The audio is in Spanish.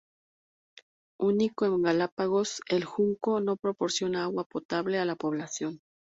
Único en Galápagos, El Junco no proporciona agua potable a la población.